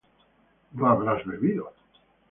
no habrás bebido